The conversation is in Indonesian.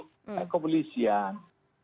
kooperasi yang kooperatif akan menginfeksi